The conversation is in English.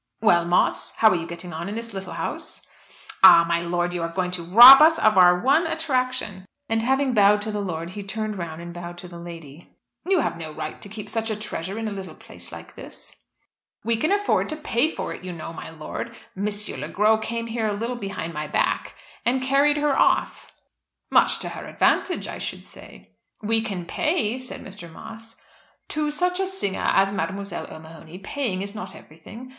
"Well, Moss, how are you getting on in this little house?" "Ah, my lord, you are going to rob us of our one attraction," and having bowed to the lord he turned round and bowed to the lady. "You have no right to keep such a treasure in a little place like this." "We can afford to pay for it, you know, my lord. M. Le Gros came here a little behind my back, and carried her off." "Much to her advantage, I should say." "We can pay," said Mr. Moss. "To such a singer as Mademoiselle O'Mahony paying is not everything.